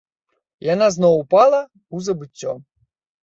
Яна зноў упала ў забыццё.